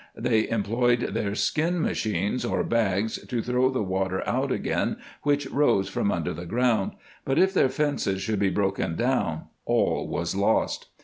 They em ployed their skin machines or bags to throw the water out again which rose from under the ground ; but if their fences should be broken down all was lost.